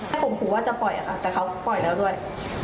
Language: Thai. ข่มขู่ว่าจะปล่อยค่ะแต่เขาปล่อยแล้วด้วย